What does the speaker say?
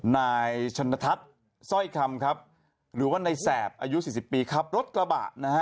ในชนทัศน์สร้อยคำหรือว่าในแสบอายุ๔๐ปีรถกระบะ